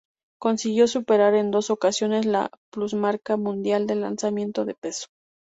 Consiguió superar en dos ocasiones la plusmarca mundial de lanzamiento de peso.